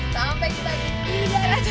sampai kita di tiga meter